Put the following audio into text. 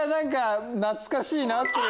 懐かしいな！っていう。